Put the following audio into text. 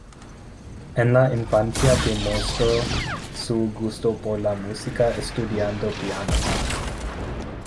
En la infancia demostró su gusto por la música estudiando piano.